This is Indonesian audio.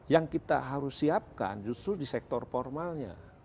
yang kita harus siapkan justru di sektor formalnya